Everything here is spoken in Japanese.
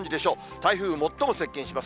台風最も接近します。